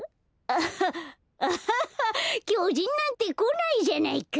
アハッアハハッきょじんなんてこないじゃないか！